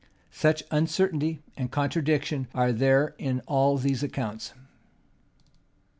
Such uncertainty and contradiction are there in all these accounts.